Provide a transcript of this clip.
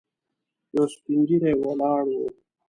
یو سپين ږيری ولاړ و.